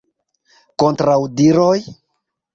Kontraŭdiroj?